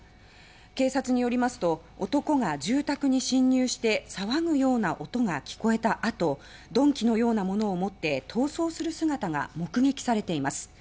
警察によりますと男が住宅に侵入して騒ぐような音が聞こえた後鈍器のようなものを持って逃走する姿が目撃されています。